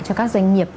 cho các doanh nghiệp